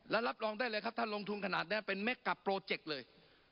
และรับรองได้เลยครับถ้าลงทุนขนาดนี้เป็นเม็กกับโปรเจกต์เลย